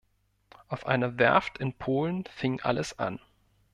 Auf einer Werft in Polen fing alles an.